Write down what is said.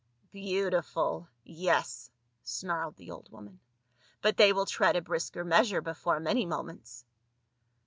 " Beautiful — yes," snarled the old woman. " But they will tread a brisker measure before many mo ments."